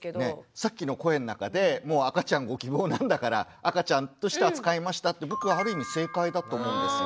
さっきの声の中でもう赤ちゃんご希望なんだから赤ちゃんとして扱いましたって僕はある意味正解だと思うんですよ。